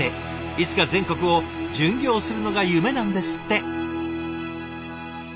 いつか全国を巡業するのが夢なんですって。